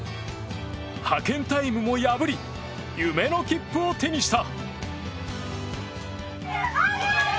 派遣タイムも破り夢の切符を手にした。